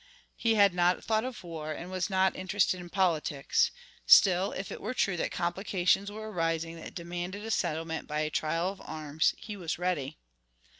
He had not thought of war, and was not interested in politics; still, if it were true that complications were arising that demanded a settlement by a trial of arms, he was ready.